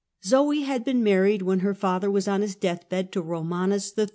Zoe had been married, when her zoe and father was on his deathbed, to Eomanus III.